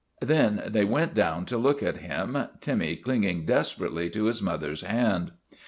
Then they went down to look at him, Timmy clinging desper ately to his mother's hand.